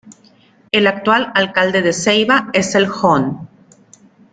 El actual Alcalde de Ceiba es el Hon.